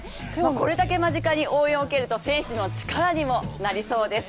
これだけ間近に応援を受けると選手の力になりそうです。